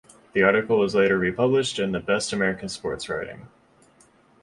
The article was later republished in "The Best American Sports Writing".